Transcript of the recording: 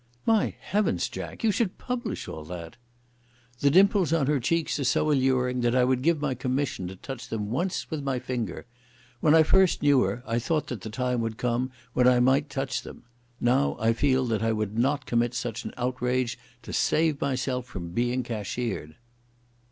"My heavens, Jack! You should publish all that!" "The dimples on her cheeks are so alluring that I would give my commission to touch them once with my finger. When I first knew her I thought that the time would come when I might touch them. Now I feel that I would not commit such an outrage to save myself from being cashiered."